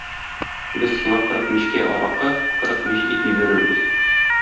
Без сиңа кырык мичкә аракы, кырык мич ипи бирербез.